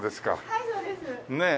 はいそうです。ねえ。